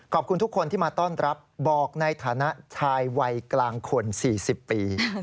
ขอบคุณทุกคนที่มาต้อนรับบอกในฐานะชายวัยกลางคน๔๐ปี